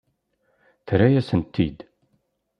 Terra-yasent-t-id.